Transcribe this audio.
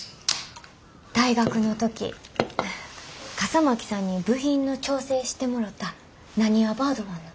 大学の時笠巻さんに部品の調整してもろたなにわバードマンの。